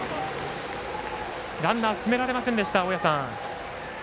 ランナー進められませんでした大矢さん。